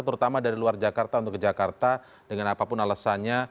terutama dari luar jakarta untuk ke jakarta dengan apapun alasannya